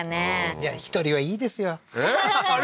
いや１人はいいですよえっ？あれ？